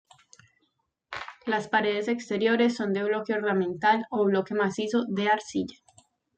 Las paredes exteriores son de bloque ornamental o bloque macizo de arcilla.